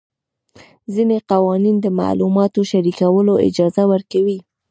ځینې قوانین د معلوماتو شریکولو اجازه ورکوي.